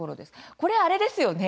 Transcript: これ、あれですよね？